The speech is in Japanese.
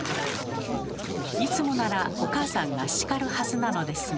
いつもならお母さんが叱るはずなのですが。